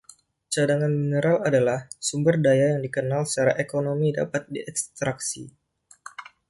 Cadangan mineral adalah sumber daya yang dikenal secara ekonomi dapat diekstraksi.